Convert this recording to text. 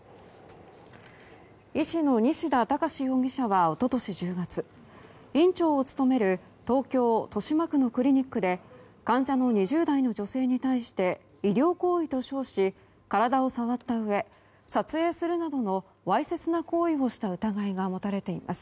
医師の西田隆容疑者は一昨年１０月院長を務める東京・豊島区のクリニックで患者の２０代の女性に対して医療行為と称し体を触ったうえ撮影するなどのわいせつな行為をした疑いが持たれています。